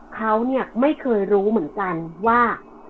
เขาเนี่ยไม่เคยรู้เหมือนกันว่า